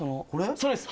それです。